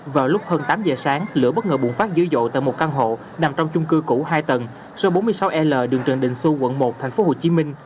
vào lúc hơn tám giờ sáng lửa bất ngờ bùng phát dữ dội tại một căn hộ nằm trong chung cư cũ hai tầng số bốn mươi sáu l đường trần đình xu quận một tp hcm